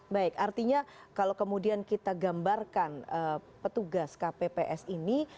baik artinya kalau kemudian kita gambarkan petugas kpps ini